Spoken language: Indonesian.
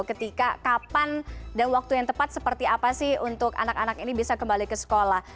ketika kapan dan waktu yang tepat seperti apa sih untuk anak anak ini bisa kembali ke sekolah